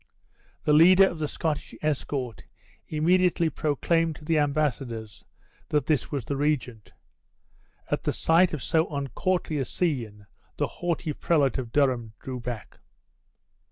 The leader of the Scottish escort immediately proclaimed to the embassadors that this was the regent. At the sight of so uncourtly a scene the haughty prelate of Durham drew back.